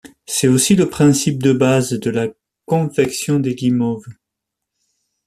C'est aussi le principe de base de la confection des guimauves.